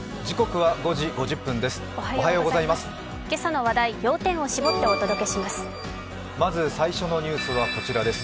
今朝の話題要点を絞ってお届けします。